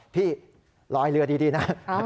พี่ลอยเรือดีนะ